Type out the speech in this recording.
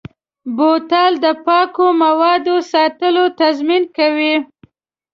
بوتل د پاکو موادو ساتلو تضمین کوي.